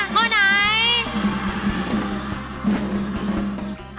ข้อไหน